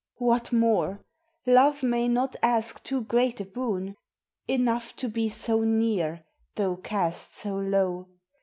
What more? Love may not ask too great a boon. Enough to be so near, though cast so low.